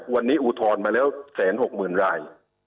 วันนี้อุทธรณ์มาแล้วแสนหกหมื่นราย